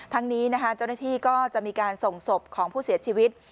ทั้งนี้นะคะเจ้าหน้าที่ก็จะมีการส่งศพของผู้เสียชีวิต